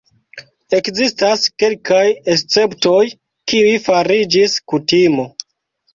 Ekzistas kelkaj esceptoj, kiuj fariĝis kutimo.